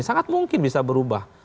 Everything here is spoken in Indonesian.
sangat mungkin bisa berubah